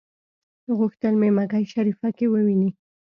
غوښتل په مکه شریفه کې وویني.